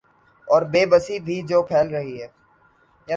اوربے بسی بھی جو پھیل رہی ہیں۔